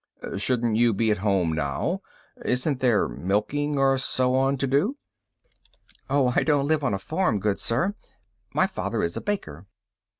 "Mmmm shouldn't you be at home now? Isn't there milking and so on to do?" "Oh, I don't live on a farm, good sir. My father is a baker."